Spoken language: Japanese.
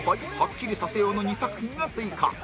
ハッキリさせよう」の２作品が追加